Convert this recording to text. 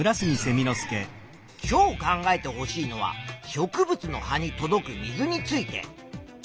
今日考えてほしいのは植物の葉に届く水について。